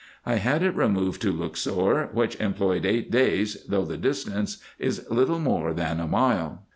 I had it removed to Luxor, which employed eight days, though the distance is little more than a mile.